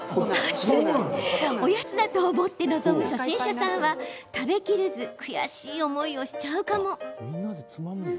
おやつだと思って臨む初心者さんは食べきれず悔しい思いをしちゃうかも。